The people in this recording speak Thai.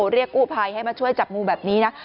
เรียกกู้ภัยให้มาช่วยจับงูแบบนี้นะ